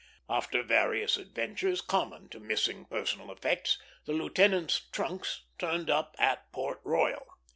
After various adventures, common to missing personal effects, the lieutenant's trunks turned up at Port Royal.